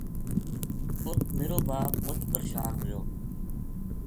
اُت میرو باپ مُچ پرشان ہویو